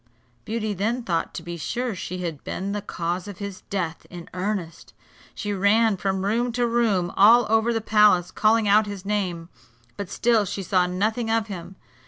Beauty then thought to be sure she had been the cause of his death in earnest. She ran from room to room all over the palace, calling out his name, but still she saw nothing of him.